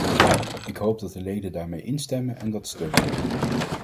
Ik hoop dat de leden daarmee instemmen en dat steunen.